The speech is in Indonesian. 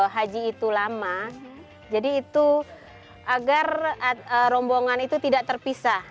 haji itu lama jadi itu agar rombongan itu tidak terpisah